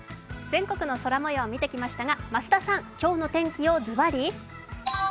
全国の空模様見てきましたが、増田さん、今日の天気をズバリ？